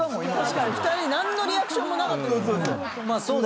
確かに２人何のリアクションもなかった。